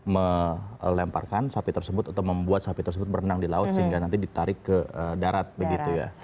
melemparkan sapi tersebut atau membuat sapi tersebut berenang di laut sehingga nanti ditarik ke darat begitu ya